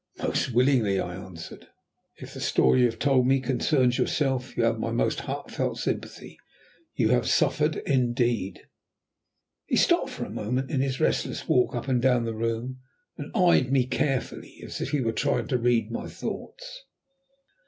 "Most willingly," I answered. "If the story you have told me concerns yourself, you have my most heartfelt sympathy. You have suffered indeed." He stopped for a moment in his restless walk up and down the room, and eyed me carefully as if he were trying to read my thoughts.